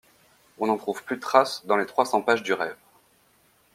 On n'en trouve plus trace dans les trois cents pages du Rêve.